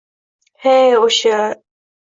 — He, o‘sha!..